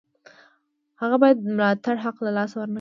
هغه باید د ملاتړ حق له لاسه ورنکړي.